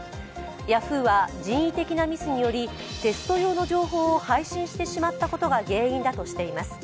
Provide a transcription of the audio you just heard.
ヤフーは人為的なミスにより、テスト用の情報を配信してしまったことが原因だとしています。